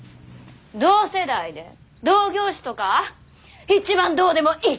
同世代で同業種とか一番どうでもいい！